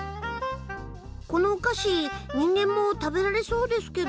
このお菓子人間も食べられそうですけど。